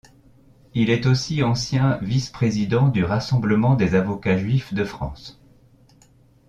Il est aussi ancien vice-président du Rassemblement des avocats juifs de France.